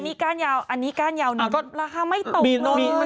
อันนี้ก้านยาวอันนี้ก้านยาวราคาไม่ตกเลย